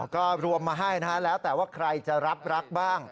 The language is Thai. ก็รวมมาให้นะฮะแล้วแต่ว่าใครจะรับรักบ้าง